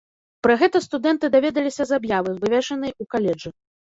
Пра гэта студэнты даведаліся з аб'явы, вывешанай ў каледжы.